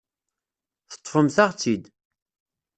Teṭṭfemt-aɣ-tt-id.